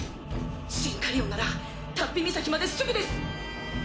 シンカリオンなら竜飛岬まですぐです。